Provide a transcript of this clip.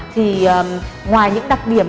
thì ngoài những đặc điểm